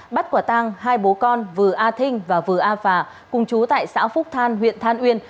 bắt quả tang hai bố con vừa a thinh và vừa a phà cùng chú tại xã phúc than huyện than uyên